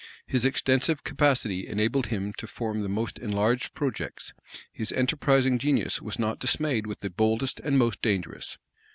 His extensive capacity enabled him to form the most enlarged projects: his enterprising genius was not dismayed with the boldest and most dangerous.